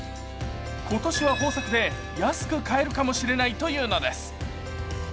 今年は豊作で安く買えるかもしれないというのです。